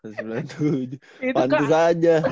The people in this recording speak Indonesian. itu kak pantes aja